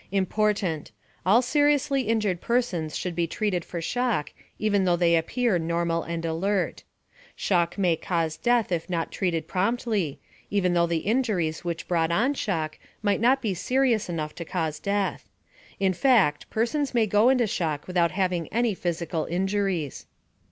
Important: All seriously injured persons should be treated for shock, even though they appear normal and alert. Shock may cause death if not treated promptly, even though the injuries which brought on shock might not be serious enough to cause death. In fact, persons may go into shock without having any physical injuries.